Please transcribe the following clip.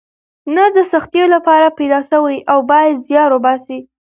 نر د سختیو لپاره پیدا سوی او باید زیار وباسئ.